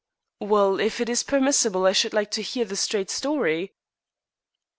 "Well, if it is permissible, I should like to hear the straight story."